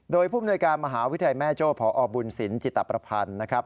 โดยภูมิโดยการมหาวิทยาลัยแม่โจวิทยาเพราะอบุญสินจิตประพันธ์นะครับ